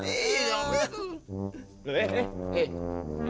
eh jangan jangan